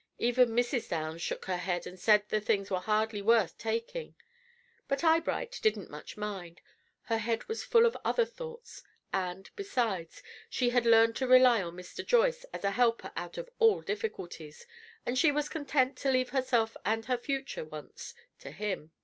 Even Mrs. Downs shook her head and said the things were hardly worth taking; but Eyebright didn't much mind. Her head was full of other thoughts, and, beside, she had learned to rely on Mr. Joyce as a helper out of all difficulties, and she was content to leave herself and her future wants to him.